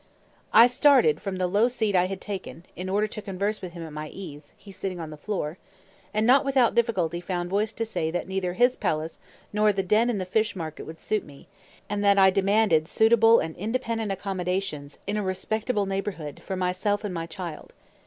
I started from the low seat I had taken (in order to converse with him at my ease, he sitting on the floor), and not without difficulty found voice to say that neither his palace nor the den in the fish market would suit me, and that I demanded suitable and independent accommodations, in a respectable neighborhood, for myself and my child.